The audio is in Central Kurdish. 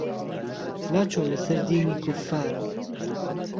لاچو لە سەر دینی کوفارە.